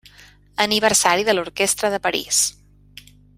Aniversari de l'Orquestra de París.